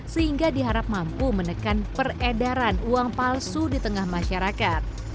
sehingga diharap mampu menekan peredaran uang palsu di tengah masyarakat